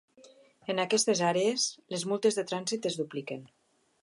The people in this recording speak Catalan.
En aquestes àrees, les multes de trànsit es dupliquen.